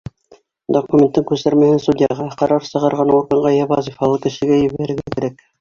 Документтың күсермәһен судьяға, ҡарар сығарған органға йә вазифалы кешегә ебәрергә кәрәк.